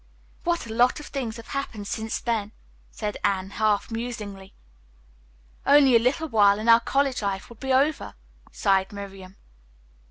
"What a lot of things have happened since then," said Anne, half musingly. "Only a little while and our college life will be over," sighed Miriam.